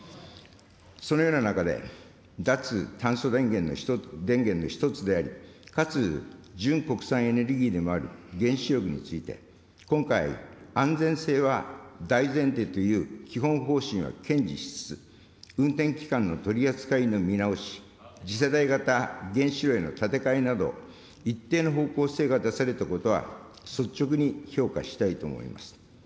そのような中で、脱炭素電源の１つであり、かつ準国産エネルギーでもある原子力について、今回、安全性は大前提という基本方針は堅持しつつ、運転期間の取り扱いの見直し、次世代型原子炉への建て替えなど、一定の方向性が出されたことは、率直に評価したいと思います。